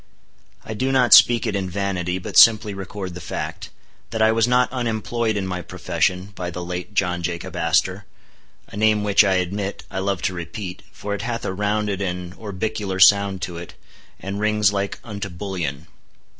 I do not speak it in vanity, but simply record the fact, that I was not unemployed in my profession by the late John Jacob Astor; a name which, I admit, I love to repeat, for it hath a rounded and orbicular sound to it, and rings like unto bullion.